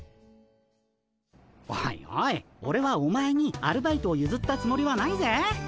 おいおいオレはお前にアルバイトをゆずったつもりはないぜ。